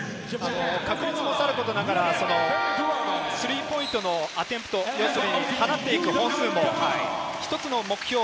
確率もさることながら、スリーポイントのアテンプト、放っていく本数も一つの目標。